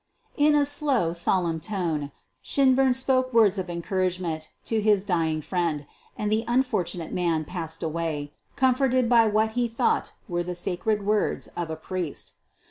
In a slow, solemn tone Shinburn spoke words of en couragement to his dying friend, and the unfortu nate man passed away, comforted by what he thought were the sacred words of a priest.